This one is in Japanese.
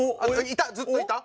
いたずっといた？